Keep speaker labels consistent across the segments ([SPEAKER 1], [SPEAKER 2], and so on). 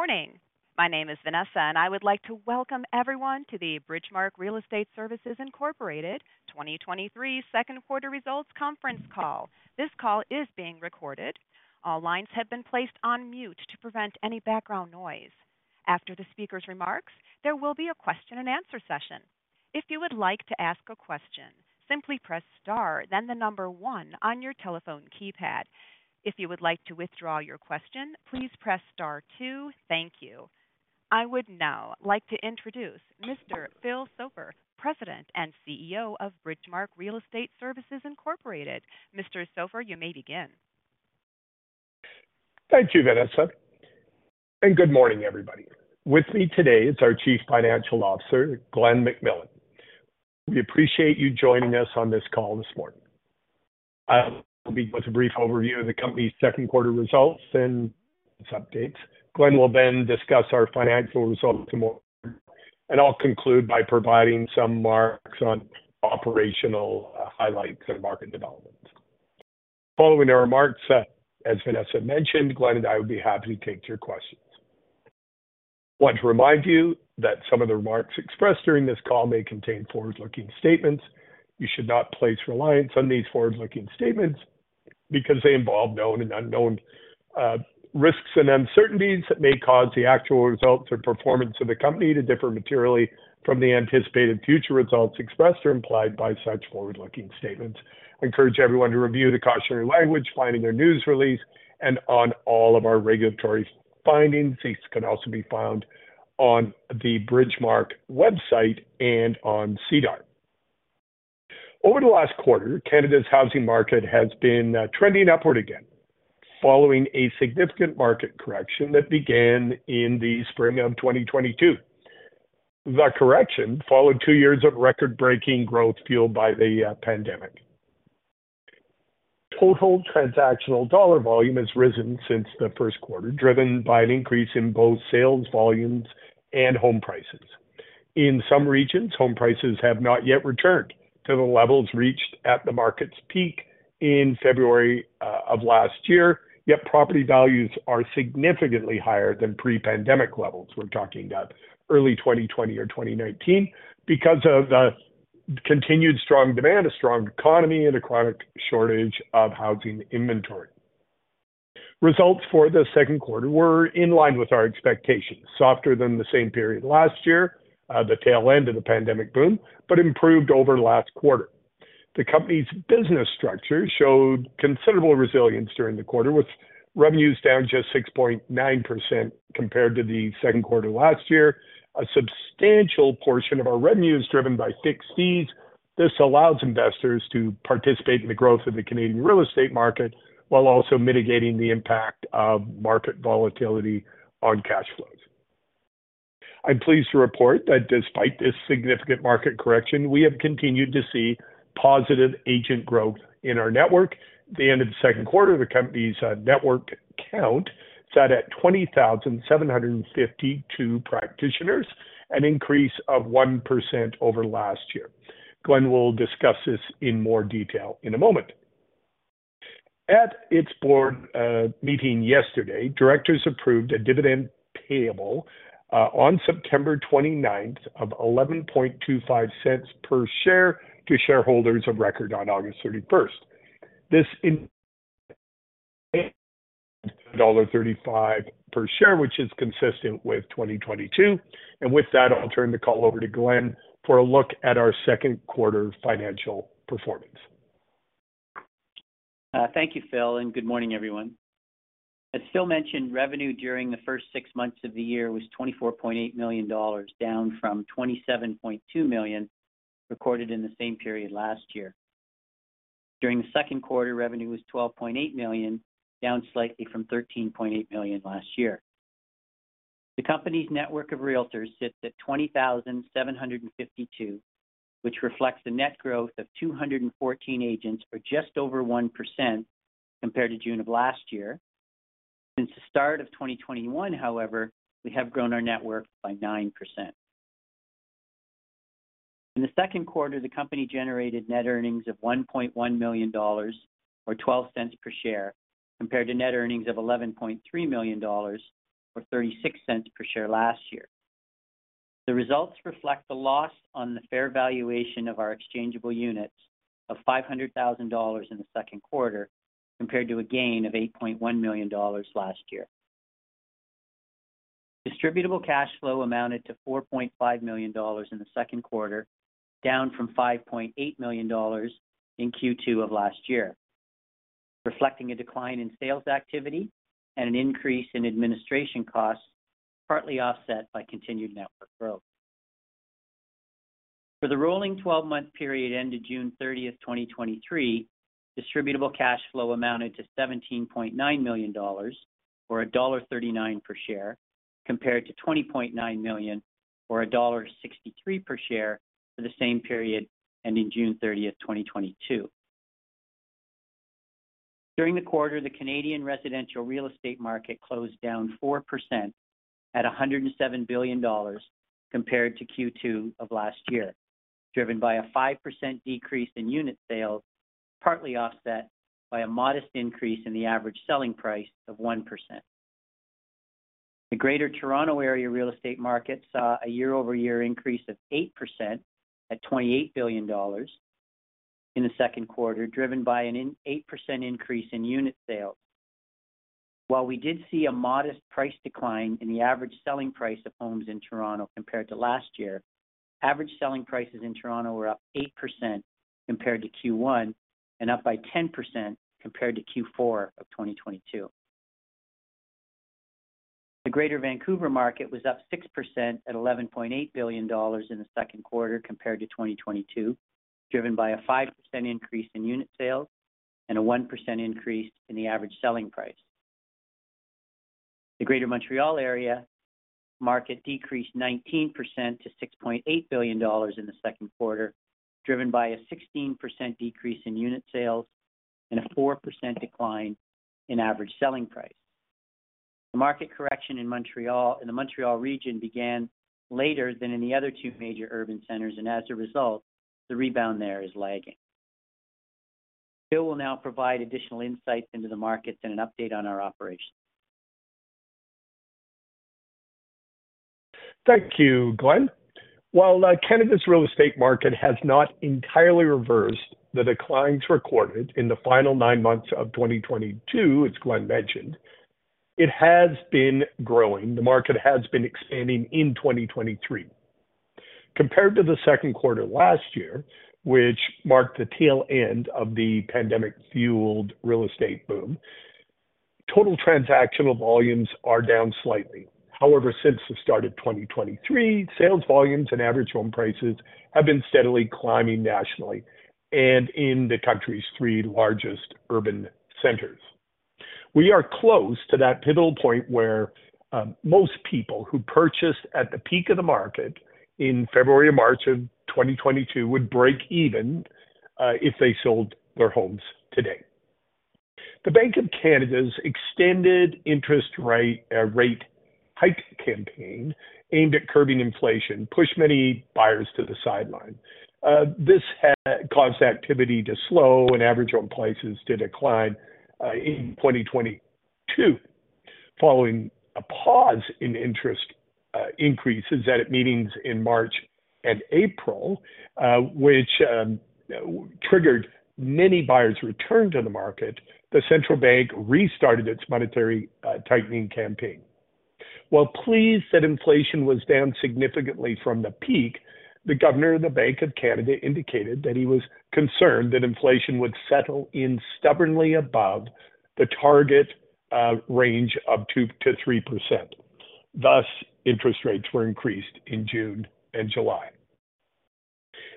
[SPEAKER 1] Good morning. My name is Vanessa, and I would like to welcome everyone to the Bridgemarq Real Estate Services Inc. 2023 second quarter results conference call. This call is being recorded. All lines have been placed on mute to prevent any background noise. After the speaker's remarks, there will be a question and answer session. If you would like to ask a question, simply press Star, then the 1 on your telephone keypad. If you would like to withdraw your question, please press Star 2. Thank you. I would now like to introduce Mr. Phil Soper, President and CEO of Bridgemarq Real Estate Services Inc.. Mr. Soper, you may begin.
[SPEAKER 2] Thank you, Vanessa. Good morning, everybody. With me today is our Chief Financial Officer, Glen McMillan. We appreciate you joining us on this call this morning. I'll begin with a brief overview of the company's second quarter results and updates. Glenn will then discuss our financial results more. I'll conclude by providing some marks on operational highlights and market developments. Following the remarks, as Vanessa mentioned, Glenn and I would be happy to take your questions. I want to remind you that some of the remarks expressed during this call may contain forward-looking statements. You should not place reliance on these forward-looking statements because they involve known and unknown risks and uncertainties that may cause the actual results or performance of the company to differ materially from the anticipated future results expressed or implied by such forward-looking statements. I encourage everyone to review the cautionary language finding in their news release and on all of our regulatory findings. These can also be found on the Bridgemarq website and on SEDAR. Over the last quarter, Canada's housing market has been trending upward again, following a significant market correction that began in the spring of 2022. The correction followed two years of record-breaking growth fueled by the pandemic. Total transactional dollar volume has risen since the first quarter, driven by an increase in both sales volumes and home prices. In some regions, home prices have not yet returned to the levels reached at the market's peak in February of last year, yet property values are significantly higher than pre-pandemic levels. We're talking about early 2020 or 2019 because of the continued strong demand, a strong economy, and a chronic shortage of housing inventory. Results for the second quarter were in line with our expectations, softer than the same period last year, the tail end of the pandemic boom, but improved over last quarter. The company's business structure showed considerable resilience during the quarter, with revenues down just 6.9% compared to the second quarter last year. A substantial portion of our revenue is driven by fixed fees. This allows investors to participate in the growth of the Canadian real estate market while also mitigating the impact of market volatility on cash flows. I'm pleased to report that despite this significant market correction, we have continued to see positive agent growth in our network. At the end of the second quarter, the company's network count sat at 20,752 practitioners, an increase of 1% over last year. Glenn will discuss this in more detail in a moment. At its board meeting yesterday, directors approved a dividend payable on September 29th of 0.1125 per share to shareholders of record on August 31st. This in dollar 1.35 per share, which is consistent with 2022. With that, I'll turn the call over to Glenn for a look at our second quarter financial performance.
[SPEAKER 3] Thank you, Phil. Good morning, everyone. As Phil mentioned, revenue during the first six months of the year was 24.8 million dollars, down from 27.2 million recorded in the same period last year. During the second quarter, revenue was 12.8 million, down slightly from 13.8 million last year. The company's network of realtors sits at 20,752, which reflects a net growth of 214 agents, or just over 1% compared to June of last year. Since the start of 2021, however, we have grown our network by 9%. In the second quarter, the company generated net earnings of 1.1 million dollars, or 0.12 per share, compared to net earnings of 11.3 million dollars, or 0.36 per share last year. The results reflect a loss on the fair valuation of our exchangeable units of $500,000 in the second quarter, compared to a gain of $8.1 million last year. Distributable cash flow amounted to $4.5 million in the second quarter, down from $5.8 million in Q2 of last year, reflecting a decline in sales activity and an increase in administration costs, partly offset by continued network growth. For the rolling 12-month period ended June 30th, 2023, distributable cash flow amounted to $17.9 million, or $1.39 per share, compared to $20.9 million or $1.63 per share for the same period, ending June 30th, 2022. During the quarter, the Canadian residential real estate market closed down 4% at 107 billion dollars compared to Q2 of last year, driven by a 5% decrease in unit sales partly offset by a modest increase in the average selling price of 1%. The Greater Toronto Area real estate market saw a year-over-year increase of 8% at 28 billion dollars in the 2nd quarter, driven by an 8% increase in unit sales. While we did see a modest price decline in the average selling price of homes in Toronto compared to last year, average selling prices in Toronto were up 8% compared to Q1 and up by 10% compared to Q4 of 2022. The Greater Vancouver market was up 6% at 11.8 billion dollars in the second quarter compared to 2022, driven by a 5% increase in unit sales and a 1% increase in the average selling price. The Greater Montreal Area market decreased 19% to 6.8 billion dollars in the second quarter, driven by a 16% decrease in unit sales and a 4% decline in average selling price. The market correction in the Montreal region began later than in the other two major urban centers. As a result, the rebound there is lagging. Phiul will now provide additional insights into the markets and an update on our operations.
[SPEAKER 2] Thank you, Glenn. While Canada's real estate market has not entirely reversed the declines recorded in the final nine months of 2022, as Glenn mentioned, it has been growing. The market has been expanding in 2023. Compared to the second quarter last year, which marked the tail end of the pandemic-fueled real estate boom, total transactional volumes are down slightly. However, since the start of 2023, sales volumes and average home prices have been steadily climbing nationally and in the country's three largest urban centers. We are close to that pivotal point where most people who purchased at the peak of the market in February or March of 2022 would break even if they sold their homes today. The Bank of Canada's extended interest rate, rate hike campaign, aimed at curbing inflation, pushed many buyers to the sideline. This has caused activity to slow and average home prices to decline in 2022. Following a pause in interest increases at meetings in March and April, which triggered many buyers to return to the market, the central bank restarted its monetary tightening campaign. While pleased that inflation was down significantly from the peak, the governor of the Bank of Canada indicated that he was concerned that inflation would settle in stubbornly above the target range of 2%-3%. Thus, interest rates were increased in June and July.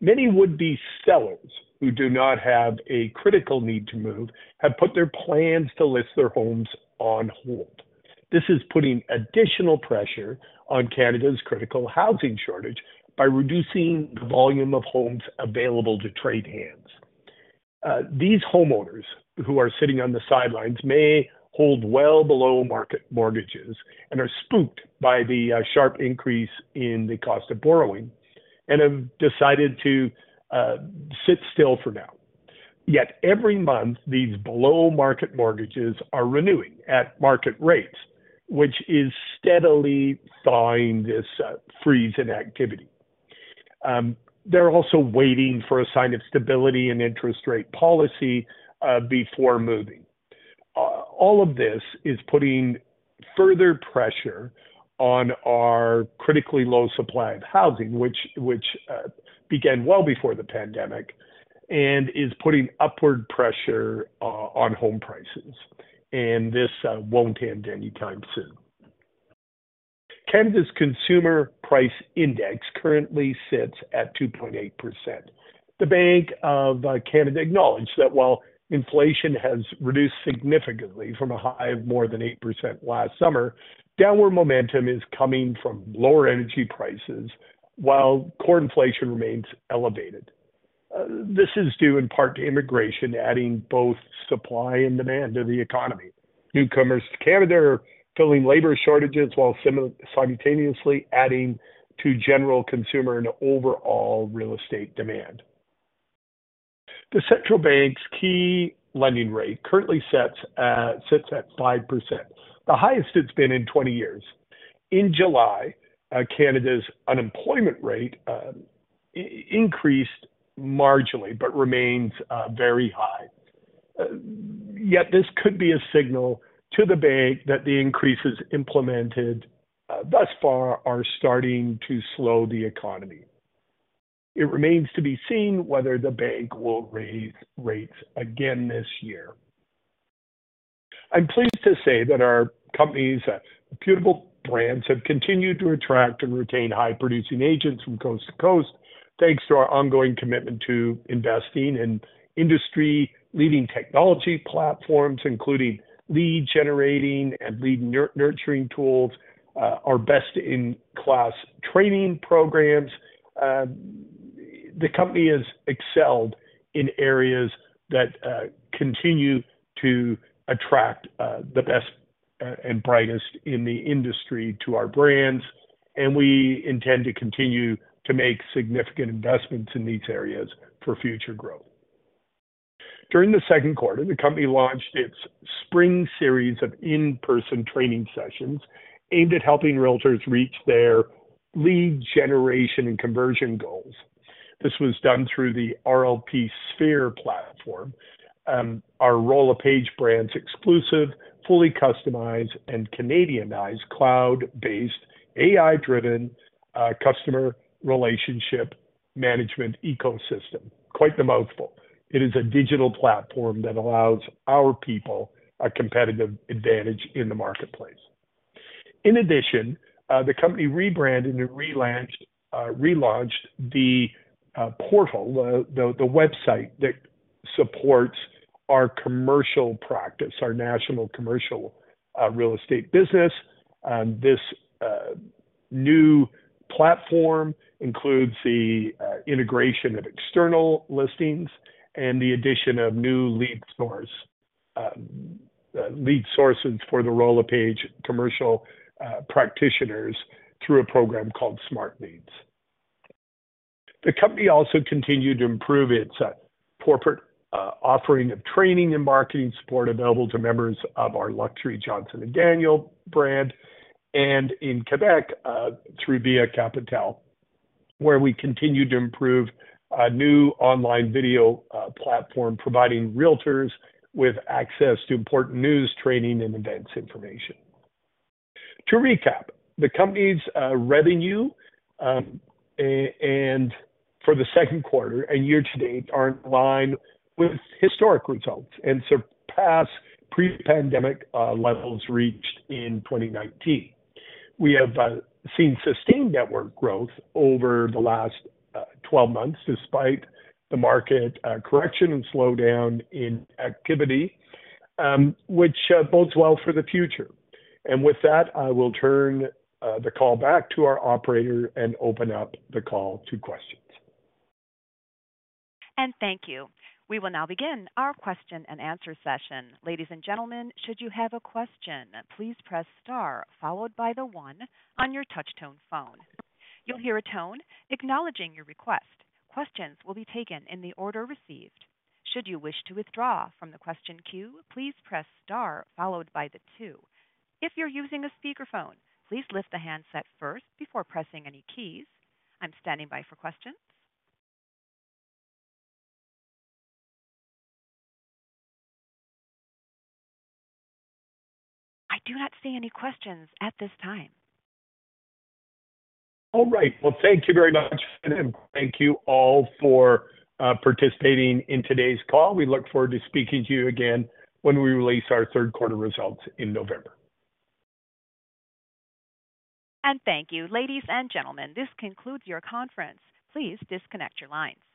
[SPEAKER 2] Many would-be sellers who do not have a critical need to move have put their plans to list their homes on hold. This is putting additional pressure on Canada's critical housing shortage by reducing the volume of homes available to trade hands. These homeowners, who are sitting on the sidelines, may hold well below market mortgages and are spooked by the sharp increase in the cost of borrowing and have decided to sit still for now. Yet every month, these below-market mortgages are renewing at market rates, which is steadily thawing this freeze in activity. They're also waiting for a sign of stability in interest rate policy before moving. All of this is putting further pressure on our critically low supply of housing, which, which began well before the pandemic and is putting upward pressure on home prices, and this won't end anytime soon. Canada's consumer price index currently sits at 2.8%. The Bank of Canada acknowledged that while inflation has reduced significantly from a high of more than 8% last summer, downward momentum is coming from lower energy prices while core inflation remains elevated. This is due in part to immigration, adding both supply and demand to the economy. Newcomers to Canada are filling labor shortages while simultaneously adding to general consumer and overall real estate demand. The central bank's key lending rate currently sits at 5%, the highest it's been in 20 years. In July, Canada's unemployment rate increased marginally, but remains very high. Yet this could be a signal to the bank that the increases implemented thus far are starting to slow the economy. It remains to be seen whether the bank will raise rates again this year. I'm pleased to say that our company's reputable brands have continued to attract and retain high-producing agents from coast to coast, thanks to our ongoing commitment to investing in industry-leading technology platforms, including lead-generating and lead nurturing tools, our best-in-class training programs. The company has excelled in areas that continue to attract the best agents and brightest in the industry to our brands, and we intend to continue to make significant investments in these areas for future growth. During the second quarter, the company launched its spring series of in-person training sessions aimed at helping realtors reach their lead generation and conversion goals. This was done through the rlpSPHERE platform, our Royal LePage Brands exclusive, fully customized, and Canadianized cloud-based, AI-driven, customer relationship management ecosystem. Quite the mouthful. It is a digital platform that allows our people a competitive advantage in the marketplace. In addition, the company rebranded and relaunched, relaunched the portal, the website that supports our commercial practice, our national commercial real estate business. This new platform includes the integration of external listings and the addition of new lead source, lead sources for the Royal LePage commercial practitioners through a program called Smart Leads. The company also continued to improve its corporate offering of training and marketing support available to members of our luxury Johnston & Daniel brand, and in Quebec, through Via Capitale, where we continued to improve a new online video platform, providing realtors with access to important news, training, and events information. To recap, the company's revenue and for the second quarter and year to date, are in line with historic results and surpass pre-pandemic levels reached in 2019. We have seen sustained network growth over the last 12 months, despite the market correction and slowdown in activity, which bodes well for the future. With that, I will turn the call back to our operator and open up the call to questions.
[SPEAKER 1] Thank you. We will now begin our question and answer session. Ladies and gentlemen, should you have a question, please press star followed by the one on your touch tone phone. You'll hear a tone acknowledging your request. Questions will be taken in the order received. Should you wish to withdraw from the question queue, please press star followed by the two. If you're using a speakerphone, please lift the handset first before pressing any keys. I'm standing by for questions. I do not see any questions at this time.
[SPEAKER 2] All right. Well, thank you very much, and thank you all for participating in today's call. We look forward to speaking to you again when we release our third quarter results in November.
[SPEAKER 1] Thank you. Ladies and gentlemen, this concludes your conference. Please disconnect your lines.